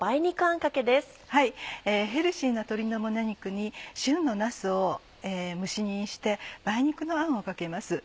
ヘルシーな鶏の胸肉に旬のなすを蒸し煮にして梅肉のあんをかけます。